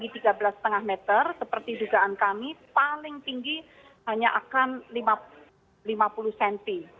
di delapan belas empat puluh delapan hanya setinggi tiga belas lima meter seperti dugaan kami paling tinggi hanya akan lima puluh cm